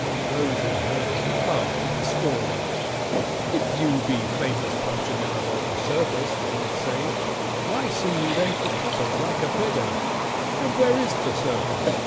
But those who heard him laughed in scorn. "If you be famous Punchinello of the circus," they would say, "why sing you then for coppers like a beggar, and where is the circus?